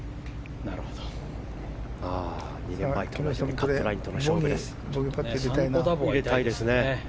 カットラインとの勝負です。